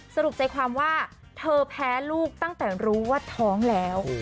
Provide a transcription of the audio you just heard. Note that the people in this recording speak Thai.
สรุปใจความว่าเธอแพ้ลูกตั้งแต่รู้ว่าท้องแล้ว